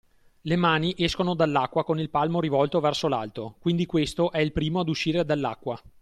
Le mani escono dall’acqua con il palmo rivolto verso l’alto, quindi questo è il primo ad uscire dall’acqua.